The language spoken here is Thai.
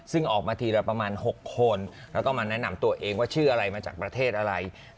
ซึ่งออกมาทีละประมาณ๖คนแล้วก็มาแนะนำตัวเองว่าชื่ออะไรมาจากประเทศอะไร